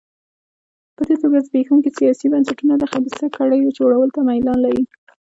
په دې توګه زبېښونکي سیاسي بنسټونه د خبیثه کړۍ جوړولو ته میلان لري.